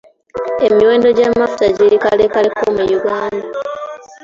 Emiwendo gy'amafuta giri kalekaleko mu Uganda.